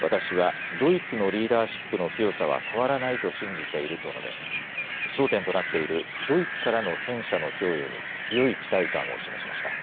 私はドイツのリーダーシップの強さは変わらないと信じていると述べ、焦点となっているドイツからの戦車の供与に強い期待感を示しました。